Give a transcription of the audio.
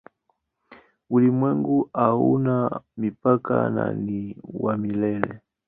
Ulimwengu hauna mipaka na ni wa milele.